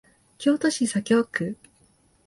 京都市左京区